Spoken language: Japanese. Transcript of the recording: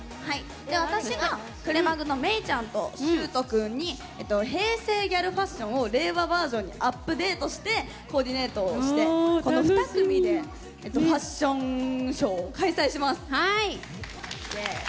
私が、くれまぐの、めいちゃんとしゅーと君に平成ギャルファッションを令和バージョンにアップデートしてコーディネートをしてこの２組でファッションショーを開催します。